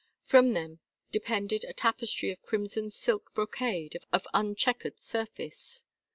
From them depended a tapestry of crimson silk brocade of uncheckered surface.